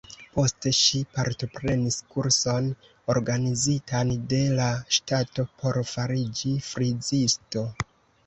Poste ŝi partoprenis kurson organizitan de la ŝtato por fariĝi frizisto.